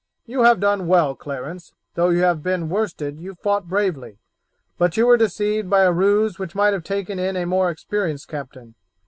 "You have done well, Clarence; though you have been worsted you fought bravely, but you were deceived by a ruse which might have taken in a more experienced captain.